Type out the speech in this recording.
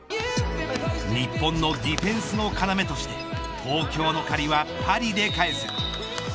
日本のディフェンスの要として東京の借りはパリで返す。